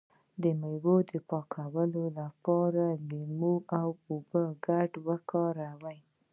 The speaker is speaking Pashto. د میوو د پاکوالي لپاره د لیمو او اوبو ګډول وکاروئ